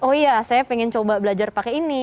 oh iya saya pengen coba belajar pakai ini